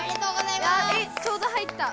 ちょうど入った。